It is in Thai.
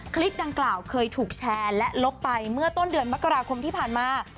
คลิปดังกล่าวเคยถูกแชร์และลบไปเมื่อต้นเดือนมกราคมที่ผ่านมา